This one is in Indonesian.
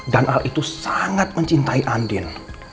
dan al itu sangat mencintai andin